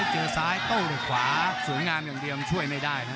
เจอซ้ายโต้ด้วยขวาสวยงามอย่างเดียวมันช่วยไม่ได้นะ